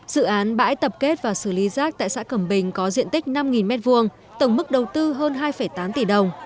dự án bãi tập kết và xử lý rác tại xã cầm bình có diện tích năm m hai tổng mức đầu tư hơn hai tám tỷ đồng